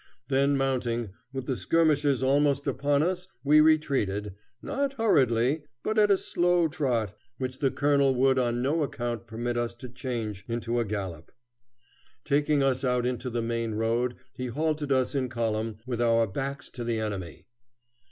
Then mounting, with the skirmishers almost upon us, we retreated, not hurriedly, but at a slow trot, which the colonel would on no account permit us to change into a gallop. Taking us out into the main road he halted us in column, with our backs to the enemy.